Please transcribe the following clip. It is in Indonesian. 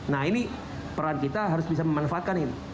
nah ini peran kita harus bisa memanfaatkan ini